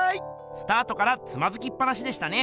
スタートからつまずきっぱなしでしたね。